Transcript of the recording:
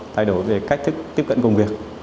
thay đổi về cách tiếp cận công việc